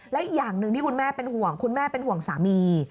และอีกอย่างหนึ่งที่คุณแม่เป็นห่วงคุณแม่เป็นห่วงสามี